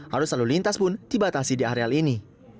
harus lalu lintas pun dibatasi di areal ini